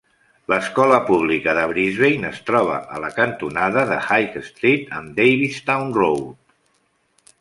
L'escola pública de Brisbania es troba a la cantonada de High Street amb Davistown Road.